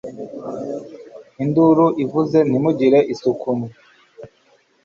induru ivuze ntimugira isuku mwe